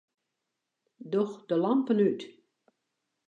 Doch de lampen út.